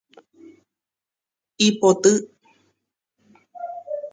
Ipoty.